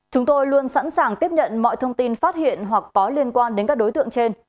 chúng tôi luôn sẵn sàng tiếp nhận mọi thông tin phát hiện hoặc có liên quan đến các đối tượng trên